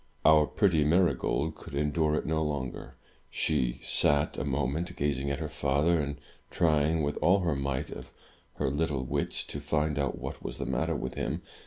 Our pretty Marygold could endure it no longer. She sat, a moment, gazing at her father, and trying, with all the might of her little wits, to find out what was the matter with him.